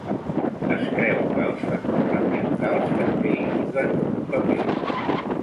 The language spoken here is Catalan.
Es creu que els factors ambientals també hi juguen un paper.